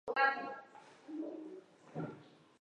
墓碑有时是空心的。